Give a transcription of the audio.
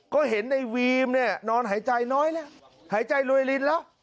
ก็เห็นในวีมเนี่ยนอนหายใจน้อยแล้วหายใจรวยลินแล้ว